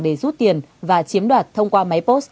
để rút tiền và chiếm đoạt thông qua máy post